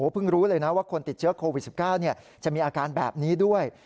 รู้เลยนะว่าคนติดเชื้อโควิด๑๙จะมีอาการแบบนี้ด้วย